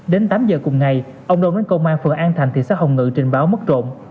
đến tám giờ cùng ngày ông đông đến công an phường an thành thị xã hồng ngự trình báo mất trộm